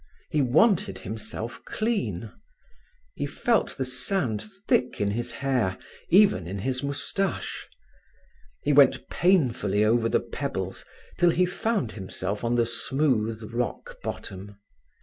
He wanted himself clean. He felt the sand thick in his hair, even in his moustache. He went painfully over the pebbles till he found himself on the smooth rock bottom.